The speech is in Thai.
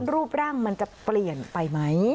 รูปร่างมันจะเปลี่ยนไปไหม